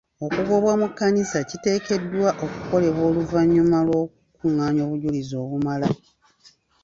Okugobwa mu kkanisa kiteekeddwa okukolebwa oluvannyuma lw'okukungaanya obujulizi obumala.